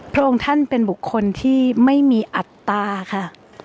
พระองค์ท่านเป็นบุคคลที่ไม่มีอัตราค่ะ